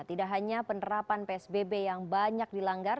tidak hanya penerapan psbb yang banyak dilanggar